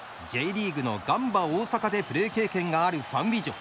Ｊリーグのガンバ大阪でプレー経験があるファン・ウィジョ。